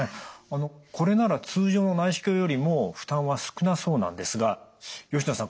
これなら通常の内視鏡よりも負担は少なそうなんですが吉野さん